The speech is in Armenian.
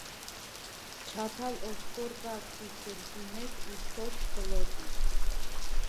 Չաթալ օսկոր կայ քու սրտի մէջ ու չորս պլոճիկ։